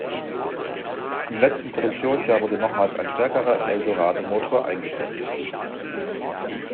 Im letzten Produktionsjahr wurde nochmals ein stärkerer Eldorado-Motor eingesetzt.